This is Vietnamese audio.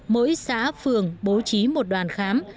mỗi xã phường bố trí một đoàn khám